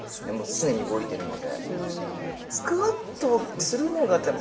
常に動いてるので。